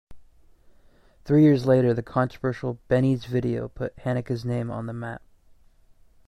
Three years later, the controversial "Benny's Video" put Haneke's name on the map.